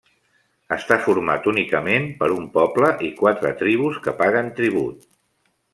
Està format únicament per un poble i quatre tribus que paguen tribut.